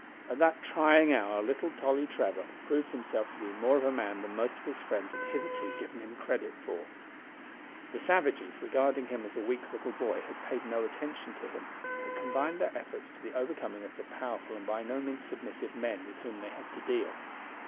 At that trying hour little Tolly Trevor proved himself to be more of a man than most of his friends had hitherto given him credit for. The savages, regarding him as a weak little boy, had paid no attention to him, but confined their efforts to the overcoming of the powerful and by no means submissive men with whom they had to deal.